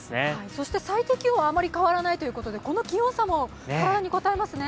そして最低気温あまり変わらないということでこの気温差も体にこたえますね。